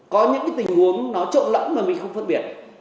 có những cái tình huống nó trộn lẫn mà mình không phân biệt